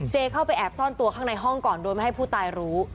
เข้าไปแอบซ่อนตัวข้างในห้องก่อนโดยไม่ให้ผู้ตายรู้